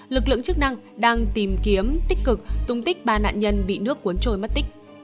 lực lượng chức năng đang tìm kiếm tích cực tung tích ba nạn nhân bị nước cuốn trôi mất tích